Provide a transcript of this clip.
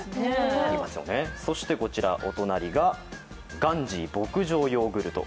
こちらお隣がガンジー牧場ヨーグルト。